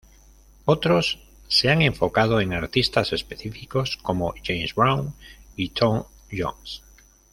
Otros se han enfocado en artistas específicos, como James Brown y Tom Jones.